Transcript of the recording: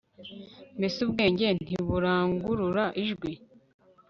mbese ubwenge ntiburangurura ijwi